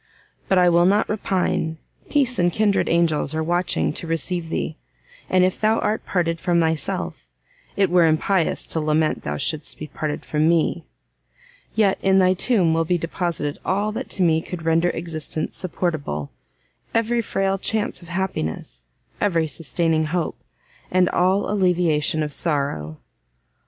but I will not repine! peace and kindred angels are watching to receive thee, and if thou art parted from thyself, it were impious to lament thou shouldst be parted from me. Yet in thy tomb will be deposited all that to me could render existence supportable, every frail chance of happiness, every sustaining hope, and all alleviation of sorrow!"